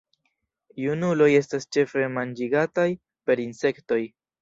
Junuloj estas ĉefe manĝigataj per insektoj.